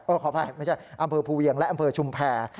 ขออภัยไม่ใช่อำเภอภูเวียงและอำเภอชุมแพร